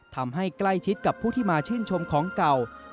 ทำให้ใกล้ชิดกับผู้ที่มาชื่นชมของเก่า